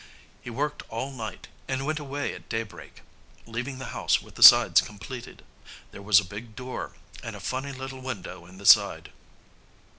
He worked all night and went away at daybreak, leaving the house with the sides completed. There was a big door and a funny little window in the side.